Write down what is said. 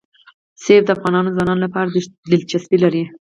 منی د افغان ځوانانو لپاره دلچسپي لري.